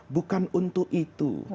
bukan untuk itu